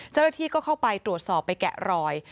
เจ้าหน้าที่ก็เข้าไปตรวจสอบไปแกะรอย